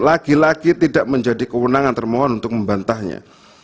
lagi lagi tidak menjadi kewenangan termohon untuk membantahnya